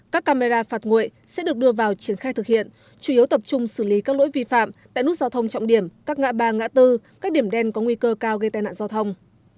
các camera phạt nguội sẽ được đưa vào triển khai thực hiện chủ yếu tập trung xử lý các lỗi vi phạm tại nút giao thông trọng điểm các ngã ba ngã tư các điểm đen có nguy cơ cao gây tai nạn giao thông